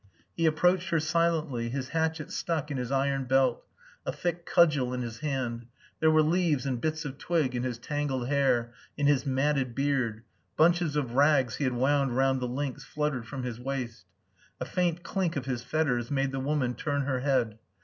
He approached her silently, his hatchet stuck in his iron belt, a thick cudgel in his hand; there were leaves and bits of twig in his tangled hair, in his matted beard; bunches of rags he had wound round the links fluttered from his waist. A faint clink of his fetters made the woman turn her head.